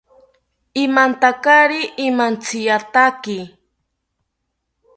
Imantakari imantziyataki